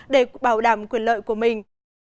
để bảo đảm quyền lợi của mình